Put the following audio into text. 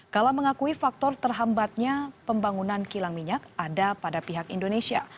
kala mengakui faktor terhambatnya pembangunan kilang minyak ada pada pihak indonesia